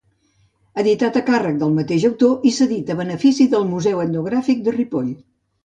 Editat a càrrec del mateix autor i cedit a benefici del Museu etnogràfic de Ripoll.